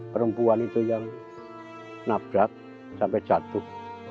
perempuan itu yang nabrak sampai jatuh